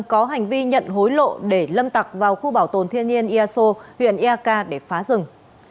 có hành vi nhận hối lộ để lâm tặc vào khu bảo tồn thiên nhiên ia so huyện ia ca để phá rừng